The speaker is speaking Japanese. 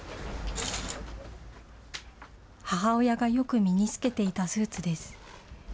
母親がよく身につけていたスーツです。